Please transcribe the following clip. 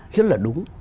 rất là đúng